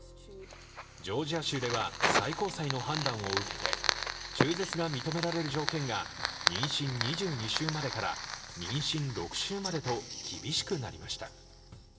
ジョージア州では最高裁の判断を受けて、中絶が認められる条件が妊娠２２週までから妊娠６週までと厳しくなりました。